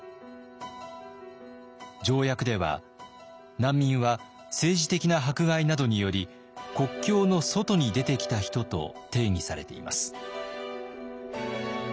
条約では難民は「政治的な迫害などにより国境の外に出てきた人」と定義されています。